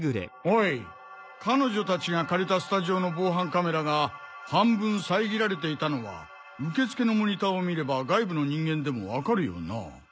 おい彼女たちが借りたスタジオの防犯カメラが半分遮られていたのは受付のモニターを見れば外部の人間でもわかるよな？